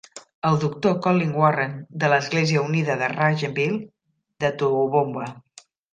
El doctor Colin Warren de l'Església Unida de Rangeville de Toowoomba.